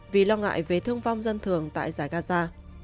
vì lo ngại về thương vong dân thường tại giải gaza